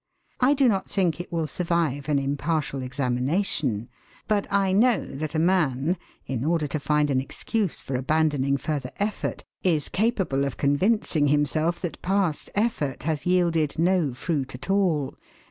I do not think it will survive an impartial examination; but I know that a man, in order to find an excuse for abandoning further effort, is capable of convincing himself that past effort has yielded no fruit at all.